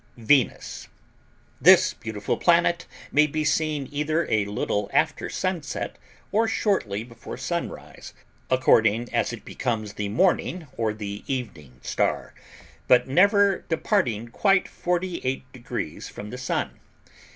VENUS This beautiful planet may be seen either a little after sunset or shortly before sunrise, according as it becomes the morning or the evening star, but never departing quite forty eight degrees from the Sun.